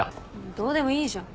どうでもいいじゃん。